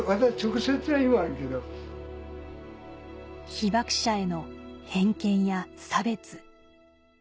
被爆者への偏見や差別